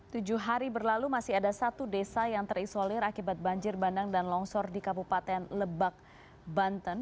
tujuh hari berlalu masih ada satu desa yang terisolir akibat banjir bandang dan longsor di kabupaten lebak banten